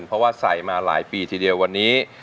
เพราะว่าใส่มาหลายปีทีเดียววันนี้